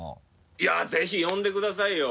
いやぜひ呼んでくださいよ！